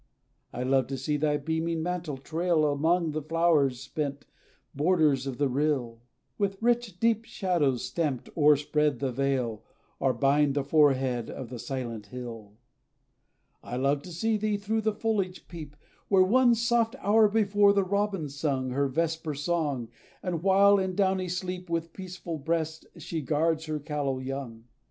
I love to see thy beaming mantle trail Along the flower sprent borders of the rill, With rich, deep shadows stamped, o'erspread the vale, Or bind the forehead of the silent hill. I love to see thee through the foliage peep, Where, one soft hour before, the robin sung Her vesper song; the while, in downy sleep, With peaceful breast she guards her callow young.